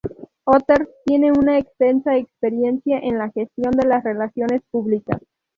Hooters tiene una extensa experiencia en la gestión de las relaciones públicas.